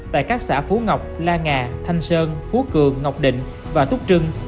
tại các xã phú ngọc la nga thanh sơn phú cường ngọc định và túc trưng